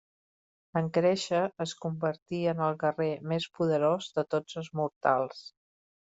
En créixer, es convertí en el guerrer més poderós de tots els mortals.